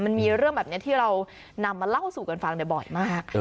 มันมีเรื่องแบบนี้ที่เรานำมาเล่าสู่กันฟังบ่อยมาก